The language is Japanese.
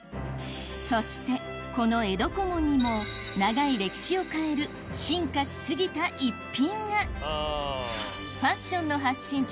そしてこの江戸小紋にも長い歴史を変える進化しすぎた逸品がファッションの発信地